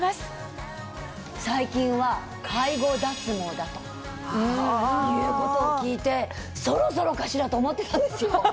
だということを聞いてそろそろかしらと思ってたんですよ。